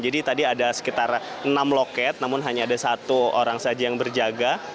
jadi tadi ada sekitar enam loket namun hanya ada satu orang saja yang berjaga